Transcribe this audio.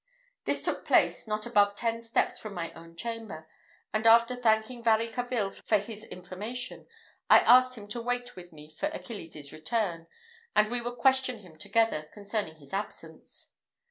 This took place not above ten steps from my own chamber; and after thanking Varicarville for his information, I asked him to wait with me for Achilles' return, and we would question him together concerning his absence.